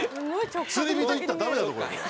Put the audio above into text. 釣り人行ったらダメなところよ。